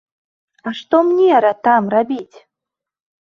А што мне там рабіць?